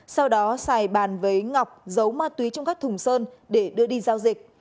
sau đó xài bàn với ngọc giấu ma túy trong các thùng sơn để đưa đi giao dịch